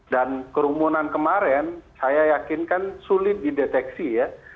dan kerumunan kemarin saya yakinkan sulit dideteksi ya